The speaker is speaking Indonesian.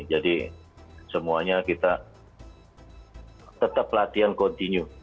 jadi semuanya kita tetap latihan kontinu